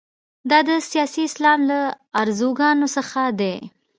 دا د سیاسي اسلام له ارزوګانو څخه دي.